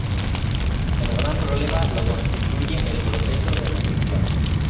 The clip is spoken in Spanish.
El gran problema lo constituye el proceso de medición.